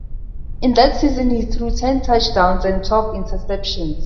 In that season he threw ten touchdowns and twelve interceptions.